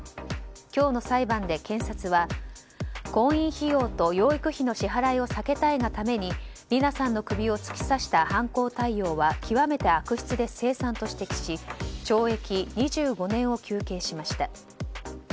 今日の裁判で検察は婚姻費用と養育費の支払いを避けたいがために理奈さんの首を突き刺した犯行態様は極めて悪質で凄惨と指摘し懲役２５年を求刑しました。